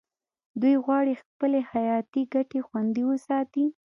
دوی غواړي خپلې حیاتي ګټې خوندي وساتي